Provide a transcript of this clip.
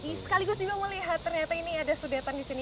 sekaligus juga melihat ternyata ini ada sudetan di sini